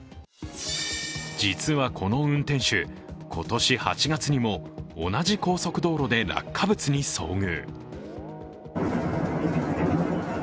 実はこの運転手、今年８月にも同じ高速道路で落下物に遭遇。